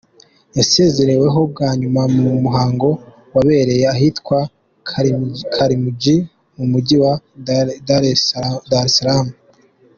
Yasezeweho bwa nyuma mu muhango wabereye ahitwa Karimjee mu Mujyi wa Dar es Salaam.